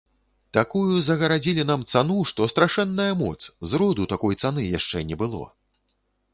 Такую загарадзілі нам цану, што страшэнная моц, зроду такой цаны яшчэ не было.